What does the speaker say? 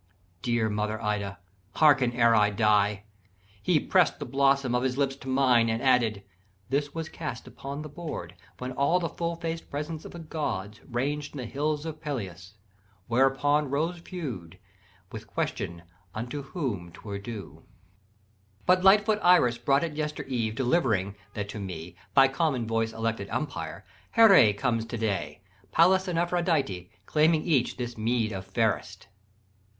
"Dear mother Ida, harken ere I die. He prest the blossom of his lips to mine, And added, 'This was cast upon the board, When all the full faced presence of the Gods Ranged in the halls of Peleus; whereupon Rose feud, with question unto whom 'twere due: "'But light foot Iris brought it yester eve, Delivering, that to me, by common voice Elected umpire, Herè comes to day, Pallas and Aphroditè, claiming each This meed of fairest.